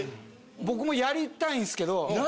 僕もやりたいんすけど。